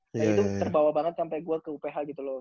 jadi itu terbawa banget sampe gue ke uph gitu loh